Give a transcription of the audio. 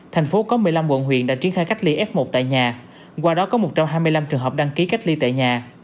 thành phố có một mươi năm quận huyện đã triển khai cách ly f một tại nhà qua đó có một trăm hai mươi năm trường hợp đăng ký cách ly tại nhà